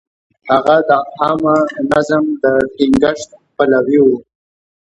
هغه د عامه نظم د ټینګښت پلوی و.